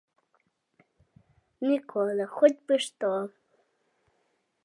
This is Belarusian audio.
Мікола хоць бы што!